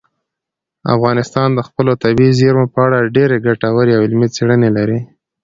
افغانستان د خپلو طبیعي زیرمو په اړه ډېرې ګټورې او علمي څېړنې لري.